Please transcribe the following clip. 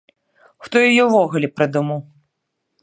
Хто яе ўвогуле прыдумаў?